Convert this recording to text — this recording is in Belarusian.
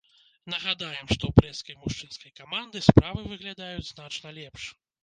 Нагадаем, што ў брэсцкай мужчынскай каманды справы выглядаюць значна лепш.